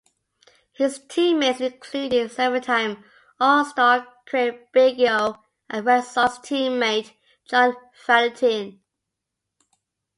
His teammates included seven-time All-Star Craig Biggio and Red Sox teammate John Valentin.